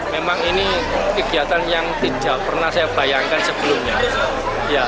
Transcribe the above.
memang ini kegiatan yang tidak pernah saya bayangkan sebelumnya